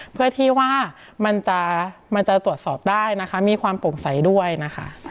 เพื่อที่ว่ามันจะตรวจสอบได้นะคะมีความโปร่งใสด้วยนะคะ